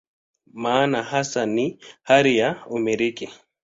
Maana hasa ni hali ya "umiliki".